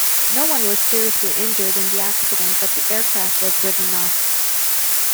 No one was seriously injured in the accident but the aircraft was written off.